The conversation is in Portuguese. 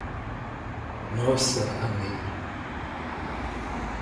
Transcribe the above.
Nossa, amei!